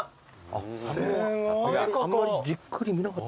あまりじっくり見なかったね